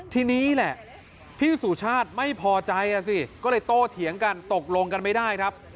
ทีนี้แหละพี่สุชาติไม่พอใจอ่ะสิก็เลยโตเถียงกันตกลงกันไม่ได้ครับ